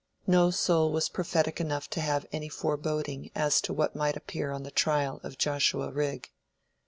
No soul was prophetic enough to have any foreboding as to what might appear on the trial of Joshua Rigg.